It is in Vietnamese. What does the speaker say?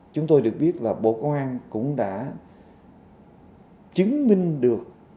chúng tôi được biết là bộ công an cũng đã chứng minh được